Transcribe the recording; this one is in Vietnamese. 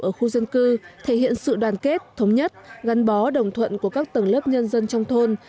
ở khu dân cư thể hiện sự đoàn kết thống nhất gắn bó đồng thuận của các tầng lớp nhân dân trong thôn